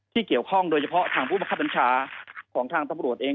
เกี่ยวข้องโดยเฉพาะทางผู้บังคับบัญชาของทางตำรวจเอง